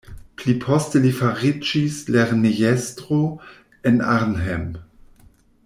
Pliposte li fariĝis lernejestro en Arnhem.